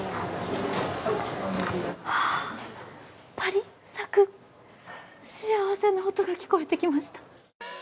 パリッ、サクッ幸せな音が聞こえてきました。